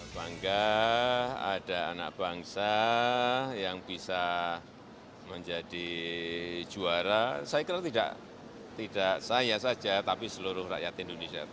bangga ada anak bangsa yang bisa menjadi juara saya kira tidak saya saja tapi seluruh rakyat indonesia